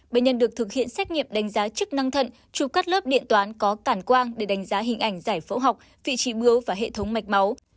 bệnh nhân được thực hiện xét nghiệm đánh giá chức năng thận chụp cắt lớp điện toán có cản quang để đánh giá hình ảnh giải phẫu học vị trí bướu và hệ thống mạch máu